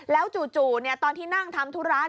แล้วจู่ตอนที่นั่งทำธุระ